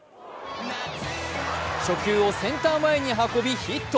初球をセンター前に運びヒット。